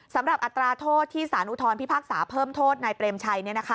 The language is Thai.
อัตราโทษที่สารอุทธรพิพากษาเพิ่มโทษนายเปรมชัย